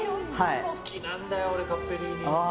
好きなんだよ俺、カッペリーニ。